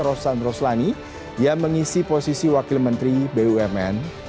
rosan roslani yang mengisi posisi wakil menteri bumn